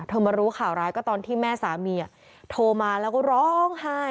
มารู้ข่าวร้ายก็ตอนที่แม่สามีโทรมาแล้วก็ร้องไห้